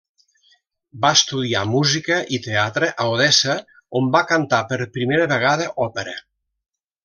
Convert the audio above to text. Va estudiar música i teatre a Odessa, on va cantar per primera vegada òpera.